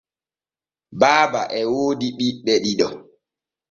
Baaba e woodi ɓiɓɓe ɗiɗo.